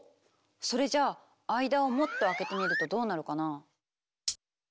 それじゃあ間をもっと空けてみるとどうなるかな？